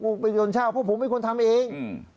กูไปโดนเช่าเพราะผมไม่ควรทำเองอืม